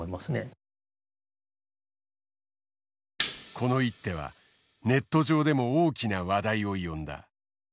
この一手はネット上でも大きな話題を呼んだ。